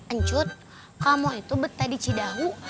ancut kamu itu betah di cidahu